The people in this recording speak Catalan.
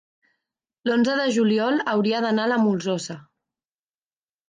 l'onze de juliol hauria d'anar a la Molsosa.